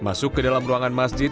masuk ke dalam ruangan masjid